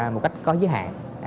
một cách có giới hạn